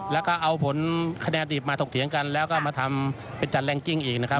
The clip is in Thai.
แล้วก็เอาผลคะแนนดิบมาถกเถียงกันแล้วก็มาทำเป็นจัดแรงกิ้งอีกนะครับ